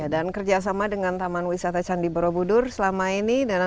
dan kerjasama dengan taman wisata candi borobudur selama ini